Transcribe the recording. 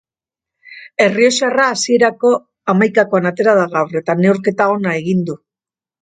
Errioxarra hasierako hamaikakoan atera da gaur eta neurketa ona egin du.